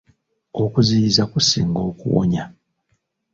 Okuziyiza kusinga okuwonya.